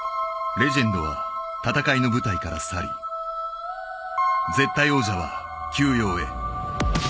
レジェンドは戦いの舞台から去り絶対王者は休養へ。